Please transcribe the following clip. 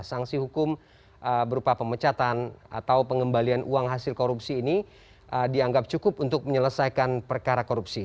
sanksi hukum berupa pemecatan atau pengembalian uang hasil korupsi ini dianggap cukup untuk menyelesaikan perkara korupsi